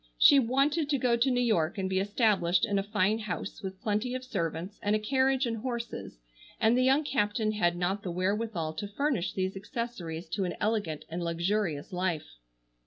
She waited to go to New York and be established in a fine house with plenty of servants and a carriage and horses, and the young captain had not the wherewithal to furnish these accessories to an elegant and luxurious life.